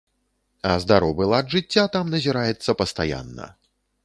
А здаровы лад жыцця там назіраецца пастаянна.